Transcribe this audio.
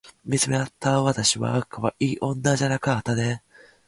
宮城県岩沼市